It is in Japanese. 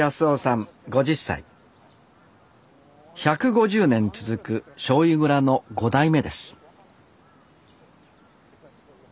１５０年続くしょうゆ蔵の５代目です